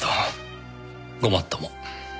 ごもっとも。